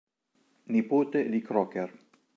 Nipote di Crocker.